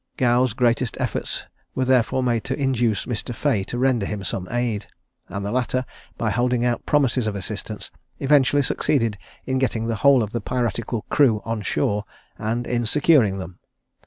Gow's greatest efforts were therefore made to induce Mr. Fea to render him some aid; and the latter, by holding out promises of assistance, eventually succeeded in getting the whole of the piratical crew on shore, and in securing them.